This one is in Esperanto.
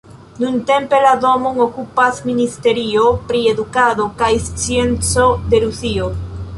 Nuntempe la domon okupas Ministerio pri edukado kaj scienco de Rusio.